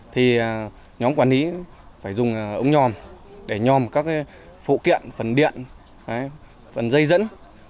thì nhóm quản lý phải dùng ống nhòm để nhòm các phụ kiện phần điện phần dây dẫn